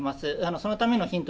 そのためのヒント